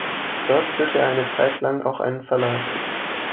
Dort führte er eine Zeit lang auch einen Verlag.